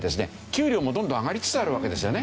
給料もどんどん上がりつつあるわけですよね。